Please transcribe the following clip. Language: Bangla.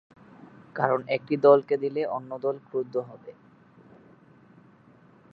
কারণ একটি দলকে দিলে অন্য দল ক্রুদ্ধ হবে।